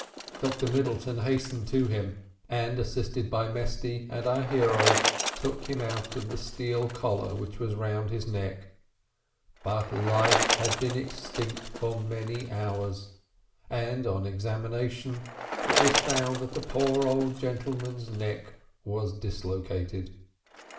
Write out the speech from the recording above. Dr Middleton hastened to him, and, assisted by Mesty and our hero, took him out of the steel collar which was round his neck; but life had been extinct for many hours, and, on examination, it was found that the poor old gentleman's neck was dislocated.